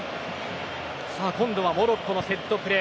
モロッコのセットプレー。